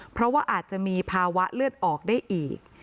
เพราะว่าอาจจะมีภาวะเลือดออกได้อีก